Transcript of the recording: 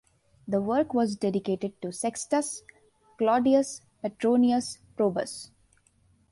The work was dedicated to Sextus Claudius Petronius Probus.